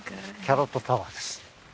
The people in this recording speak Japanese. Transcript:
キャロットタワーです。